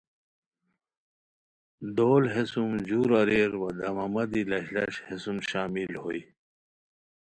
دول ہے سُم جور اریر وا دمامہ دی لش لش ہے سُم شامل ہوئے